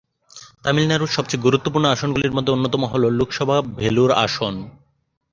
তামিলনাড়ুর সবচেয়ে গুরুত্বপূর্ণ আসনগুলির মধ্যে অন্যতম হল লোকসভা ভেলোর আসন।